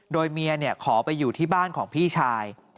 โดยเมียขอไปอยู่ที่บ้านของพี่ชาย